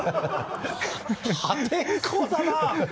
破天荒だなぁ。